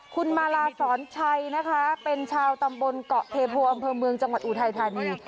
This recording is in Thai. คุณมลาศรชัยเป็นชาวตำบลเกาะเทพธวงจังหวัดอุทัยหานี้